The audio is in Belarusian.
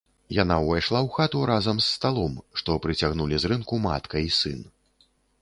Яна ўвайшла ў хату разам з сталом, што прыцягнулі з рынку матка і сын.